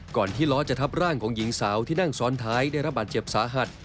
ที่ล้อจะทับร่างของหญิงสาวที่นั่งซ้อนท้ายได้รับบาดเจ็บสาหัส